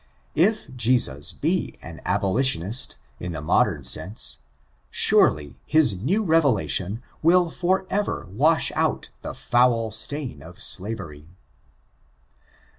If Jesus be an abolitionist, in the modem sense, surely his new revelation will for ever wash out the foul stain of slavery.